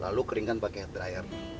lalu keringkan pakai dryer